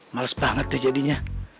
males banget deh jadinya